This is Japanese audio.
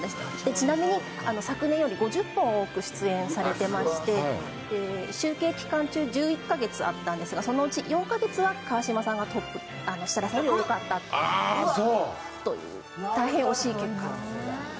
ちなみに昨年より５０本多く出演されていまして集計期間中、１１か月あったんですがそのうち４か月は川島さんがトップ設楽さんより多かったという大変惜しい結果に。